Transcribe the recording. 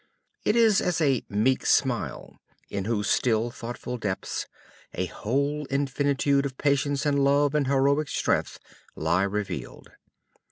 It is as a meek smile, in whose still, thoughtful depths a whole infinitude of patience, and love, and heroic strength lie revealed.